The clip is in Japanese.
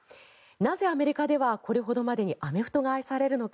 なぜ、アメリカではこれほどまでにアメフトが愛されるのか